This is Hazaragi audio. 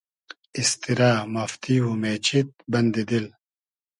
ایستیرۂ , مافتی و مېچید بئندی دیل